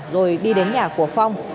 rồi đi đến nhà của phong